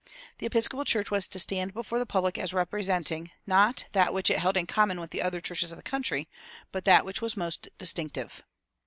The Episcopal Church was to stand before the public as representing, not that which it held in common with the other churches of the country, but that which was most distinctive.